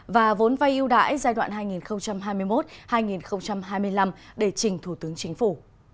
và vốn vay ưu đãi giai đoạn hai nghìn hai mươi một hai nghìn hai mươi năm để trình thủ tướng chính phủ